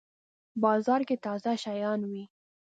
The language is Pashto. بازار کی تازه شیان وی